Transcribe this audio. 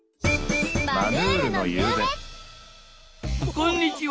こんにちは。